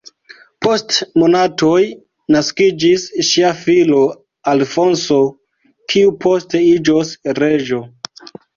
Post monatoj naskiĝis ŝia filo Alfonso, kiu poste iĝos reĝo.